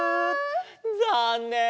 ざんねん！